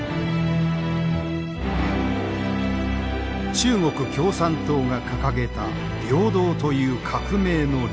中国共産党が掲げた平等という革命の理想。